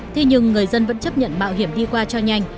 thế nhưng người dân vẫn chấp nhận mạo hiểm đi qua cho nhanh